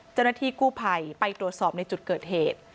เจ้าหน้าที่กู้ภัยไปตรวจสอบในจุดเกิดเหตุ